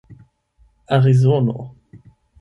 arizono